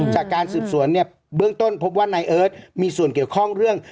จากการสืบสวนเนี่ยเบื้องต้นพบว่านายเอิร์ทมีส่วนเกี่ยวข้องเรื่อง